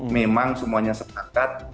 memang semuanya sepakat